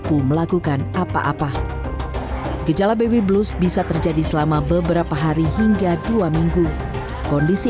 tiba tiba merasa sedih yang mendalam hingga terus menerus menangis mudah merasa cemas berdua dan kemudian merasa sedih yang mendalam